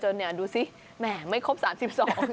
อยู่กันไปจนดูสิแหมไม่ครบ๓๒สิ